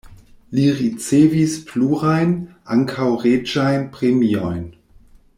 Li ricevis plurajn, ankaŭ reĝajn premiojn.